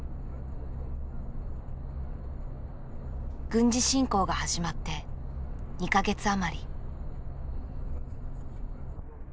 軍事侵攻が始まって２か月余り。